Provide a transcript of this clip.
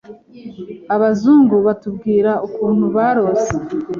abazungu batubwira ukuntu barose